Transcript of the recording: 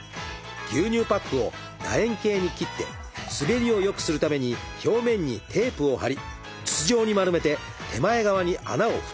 牛乳パックを楕円形に切って滑りをよくするために表面にテープを貼り筒状に丸めて手前側に穴を２つ開けます。